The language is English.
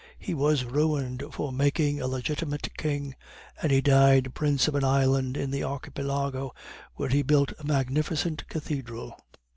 He was ruined for making a legitimate king; and he died, prince of an island in the Archipelago, where he built a magnificent cathedral."